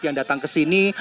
yang datang ke sini